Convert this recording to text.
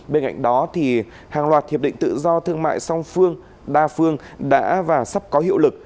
bên cạnh đó hàng loạt hiệp định tự do thương mại song phương đa phương đã và sắp có hiệu lực